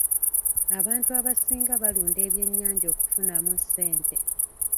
Abantu abasinga balunda ebyennyanja okufunamu ssente.